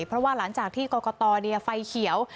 เพราะว่าหลังจากที่กตเนี่ยไฟเกี่ยว